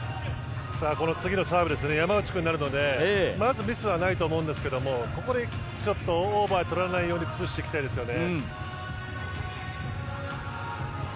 この次のサーブですね山内君になるのでまずミスはないと思うんですけどここでちょっとオーバーにとられないように崩していきたいですね。